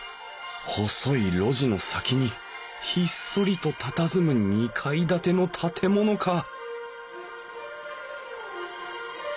細い路地の先にひっそりとたたずむ２階建ての建物か！